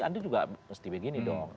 anda juga mesti begini dong